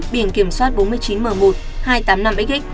biển kiểm soát bốn mươi chín m một hai trăm tám mươi năm x